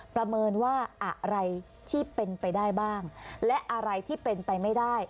ประเมินว่าอะไรที่เป็นไปได้บ้างและอะไรที่เป็นไปไม่ได้